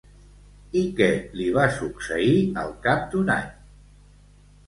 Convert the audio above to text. I què li va succeir al cap d'un any?